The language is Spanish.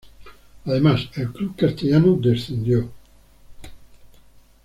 Además, el club castellano descendió.